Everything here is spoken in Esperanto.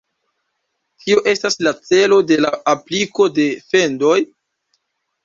Kio estas la celo de la apliko de fendoj?